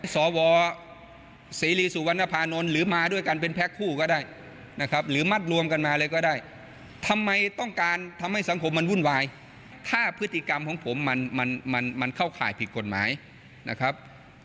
สวเสรีสุวรรณภานนท์หรือมาด้วยกันเป็นแพ็คคู่ก็ได้นะครับหรือมัดรวมกันมาเลยก็ได้ทำไมต้องการทำให้สังคมมันวุ่นวายถ้าพฤติกรรมของผมมันมันเข้าข่ายผิดกฎหมายนะครับ